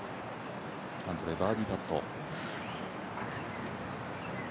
キャントレー、バーディーパット。